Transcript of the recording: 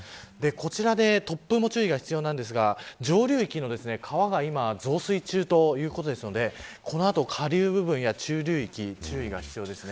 こちらで突風も注意が必要なんですが上流域の川が今増水中ということなのでこの後、下流部分や中流域注意が必要です。